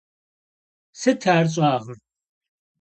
Сыт ар щӏэгъыр?